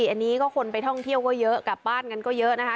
อันนี้ก็คนไปท่องเที่ยวก็เยอะกลับบ้านกันก็เยอะนะคะ